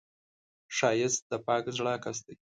ښایست د پاک زړه عکس دی